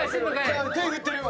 手振ってるよ！